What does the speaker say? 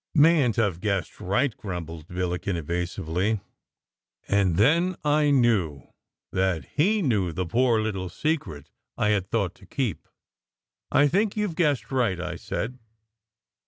" "Mayn t have guessed right," grumbled Billiken evasively. And then I knew that he knew the poor little secret I had thought to keep. "I think you have guessed right," I said.